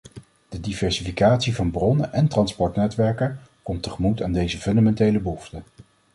De diversificatie van bronnen en transportnetwerken komt tegemoet aan deze fundamentele behoefte.